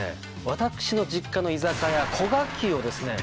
私の実家の居酒屋古賀久をですね